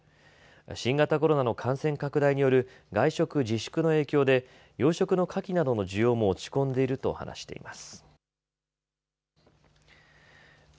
新型コロナの感染拡大による外食自粛の影響で養殖のカキなどの需要も落ち込んでいると話しています。